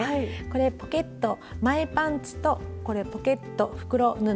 これポケット前パンツとこれポケット袋布。